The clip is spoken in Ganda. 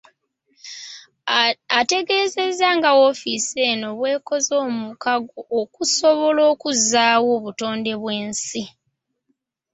Ategeezezza nga woofiisi eno bw’ekoze omukago okusobola okuzzaawo obutonde bw’ensi.